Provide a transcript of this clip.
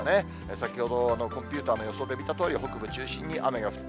先ほど、コンピューターの予想で見たとおり、北部中心に雨が降る。